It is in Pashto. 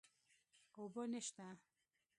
اوبه نشته